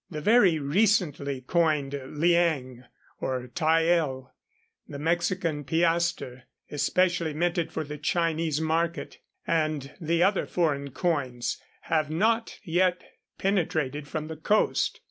The very recently coined Hang, or tael, the Mexican piaster specially minted for the Chinese market, and the other foreign coins, have not yet penetrated from the coast.